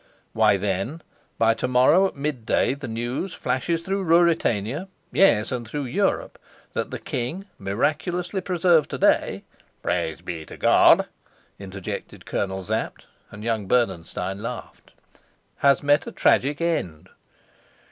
"Why, then, by to morrow at midday the news flashes through Ruritania yes, and through Europe that the king, miraculously preserved to day " "Praise be to God!" interjected Colonel Sapt; and young Bernenstein laughed. "Has met a tragic end."